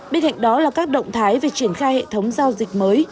bên cạnh đó là các động thái về triển khai hệ thống giao dịch mới